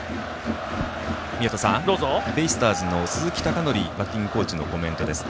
ベイスターズ鈴木尚典バッティングコーチのコメントです。